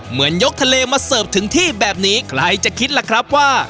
เหมือนยกทะเลมาเสิร์ฟถึงที่แบบนี้ใครจะคิดล่ะครับว่า